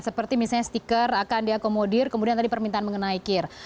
seperti misalnya stiker akan diakomodir kemudian tadi permintaan mengenai kir